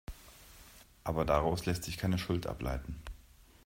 Aber daraus lässt sich keine Schuld ableiten.